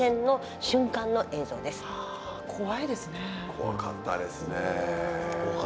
怖かったですね。